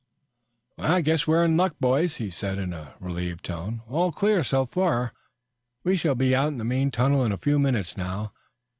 "I guess we are in luck, boys," he said in a relieved tone. "All clear so far. We shall be out in the main tunnel in a few minutes now.